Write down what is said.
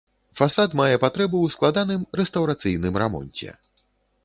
Фасад мае патрэбу ў складаным рэстаўрацыйным рамонце.